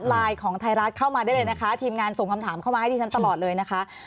ไลน์ของไทยรัฐเข้ามาได้เลยนะคะทีมงานส่งคำถามเข้ามาให้ดิฉันตลอดเลยนะคะ